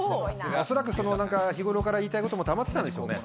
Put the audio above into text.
おそらく日頃から言いたいことたまっていたんでしょうね。